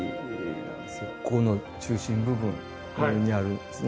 この中心部分にあるですね